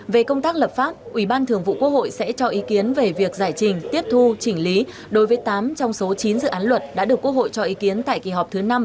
về công tác lập pháp ủy ban thường vụ quốc hội sẽ cho ý kiến về việc giải trình tiếp thu chỉnh lý đối với tám trong số chín dự án luật đã được quốc hội cho ý kiến tại kỳ họp thứ năm